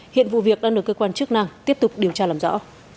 hiện vụ việc đang được cơ quan chức năng tiếp tục điều tra làm rõ